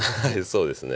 そうですね。